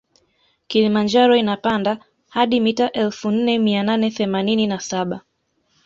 Kilimanjaro inapanda hadi mita elfu nne mia nane themanini na saba